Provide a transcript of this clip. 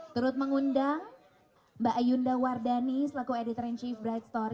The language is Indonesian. terut mengundang mbak ayunda wardani selaku editor in chief bright story